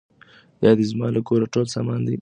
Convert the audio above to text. یا دي زما له کوره ټول سامان دی وړی